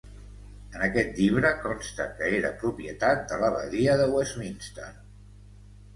En aquest llibre consta que era propietat de l'abadia de Westminster.